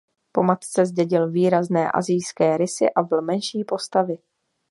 Po matce zdědil výrazné asijské rysy a byl menší postavy.